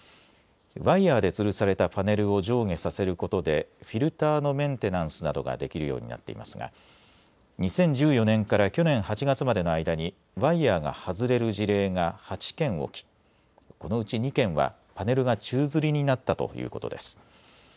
ワイヤーでつるされたパネルを上下させることで、フィルターのメンテナンスなどができるようになっていますが、２０１４年から去年８月までの間にワイヤーが外れる事例が８件起き、このうち２件はパネルが宙づりになったということです。